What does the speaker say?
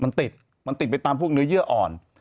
มันติดมันติดไปตามพวกเนื้อเยื่ออ่อน